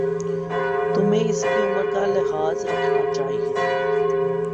تمہیں اسکی عمر کا لحاظ رکھنا چاہیۓ تھا